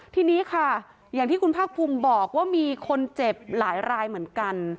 ทีนี้ค่ะอย่างที่คุณภาคภูมิบอกว่ามีคนเจ็บหลายรายเหมือนกัน